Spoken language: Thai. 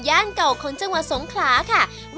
ย่านเก่าของจังหวัดสงคราศอีกครั้งหนึ่งค่ะ